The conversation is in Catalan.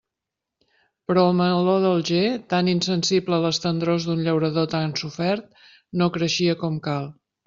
Però el meló d'Alger, tan insensible a les tendrors d'un llaurador tan sofert, no creixia com cal.